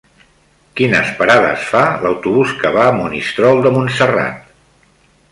Quines parades fa l'autobús que va a Monistrol de Montserrat?